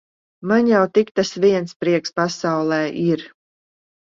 Man jau tik tas viens prieks pasaulē ir.